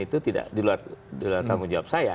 itu tidak diluar tanggung jawab saya